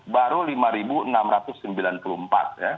baru lima enam ratus sembilan puluh empat ya